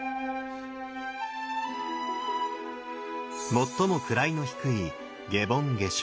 最も位の低い下品下生。